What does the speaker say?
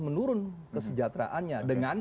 menurun kesejahteraannya dengan